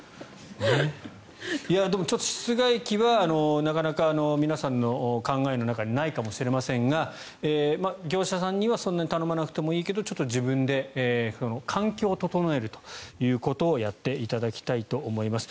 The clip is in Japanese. でも、室外機はなかなか皆さんの考えの中にないかもしれませんが業者さんにはそんなに頼まなくていいけどちょっと自分で環境を整えるということをやっていただきたいと思います。